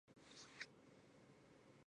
第一张插图是以色列独立宣言的照片。